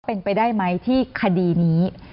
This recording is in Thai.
เป็นไปได้ไหมที่คดีนี้